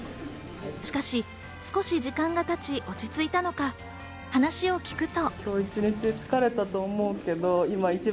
しかし少し時間が経ち、落ち着いたのか、話を聞くと。